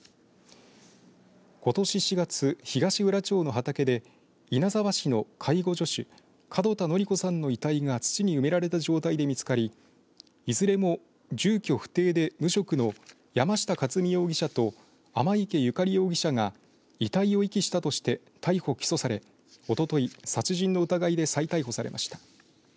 ことし４月、東浦町の畑で稲沢市の介護助手門田典子さんの遺体が土に埋められた状態で見つかりいずれも住居不定で無職の山下克己容疑者と天池由佳理容疑者が遺体を遺棄したとして逮捕、起訴されおととい殺人の疑いで再逮捕されました。